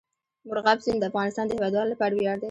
مورغاب سیند د افغانستان د هیوادوالو لپاره ویاړ دی.